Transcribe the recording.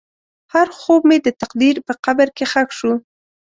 هر خوب مې د تقدیر په قبر کې ښخ شو.